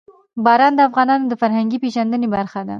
باران د افغانانو د فرهنګي پیژندنې برخه ده.